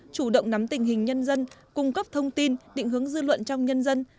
chủ động nắm tình hình nhân dân cung cấp thông tin định hướng dư luận trong nhân dân